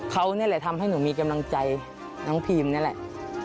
เขานี่แหละทำให้หนูมีกำลังใจน้องพีมนี่แหละ